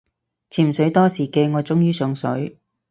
潛水多時嘅我終於上水